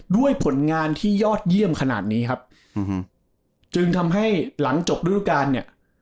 ด้วยผลงานที่ยอดเยี่ยมขนาดนี้ครับจึงทำให้หลังจบฤดูการเนี่ย